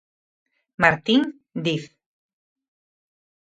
Martín Diz.